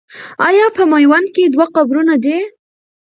آیا په میوند کې دوه قبرونه دي؟